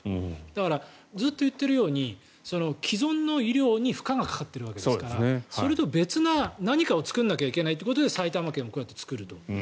だからずっと言っているように既存の医療に負荷がかかっているわけですからそれと別な何かを作らなきゃいけないということで埼玉県はこうやって作ると。